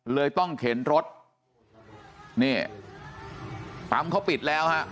เลยต้องเข็นรถนี่ปั๊มเขาปิดแล้วฮะ